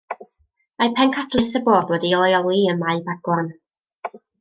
Mae pencadlys y bwrdd wedi ei leoli ym Mae Baglan.